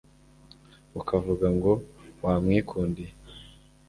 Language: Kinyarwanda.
ukavuga ngo wamwikundiye